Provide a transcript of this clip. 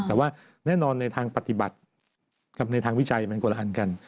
แต่ว่าแน่นอนในทางปฏิบัติกับในทางวิจัยมันคนละอันกัน